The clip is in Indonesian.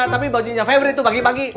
tapi bajunya favorit tuh bagi bagi